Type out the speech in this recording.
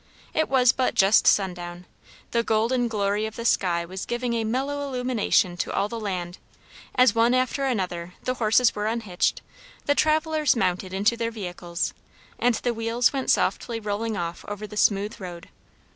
It was but just sundown; the golden glory of the sky was giving a mellow illumination to all the land, as one after another the horses were unhitched, the travellers mounted into their vehicles, and the wheels went softly rolling off over the smooth road.